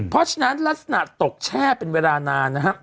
เพราะฉะนั้นลักษณะตกแช่เป็นเวลานานนะฮะ